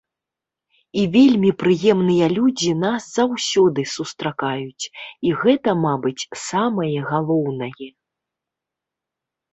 І вельмі прыемныя людзі нас заўсёды сустракаюць, і гэта, мабыць, самае галоўнае.